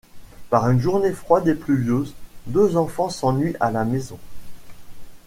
Par une journée froide et pluvieuse, deux enfants s'ennuient à la maison.